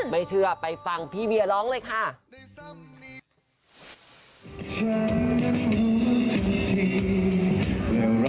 ไม่เชื่อไปฟังพี่เวียร้องเลยค่ะ